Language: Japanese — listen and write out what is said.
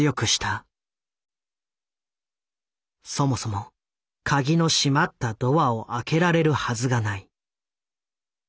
そもそも鍵の閉まったドアを開けられるはずがない。